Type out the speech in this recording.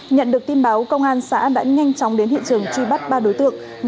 nhận được tin báo công an xã đã nhanh chóng đến hiện trường truy bắt ba đối tượng